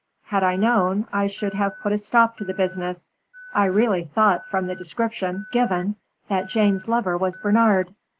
Had I known, I should have put a stop to the business. I really thought from the description given, that Jane's lover was Bernard.